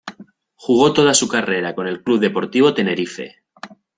Jugó toda su carrera con el C. D. Tenerife.